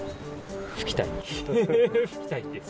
拭きたいです。